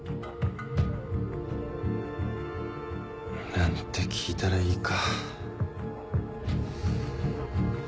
何て聞いたらいいか。